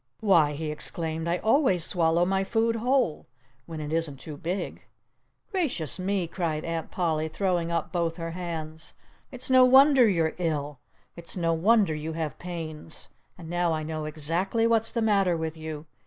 "Why," he exclaimed, "I always swallow my food whole—when it isn't too big!" "Gracious me!" cried Aunt Polly, throwing up both her hands. "It's no wonder you're ill. It's no wonder you have pains; and now I know exactly what's the matter with you.